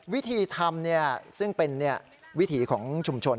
วิธีทำซึ่งเป็นวิถีของชุมชน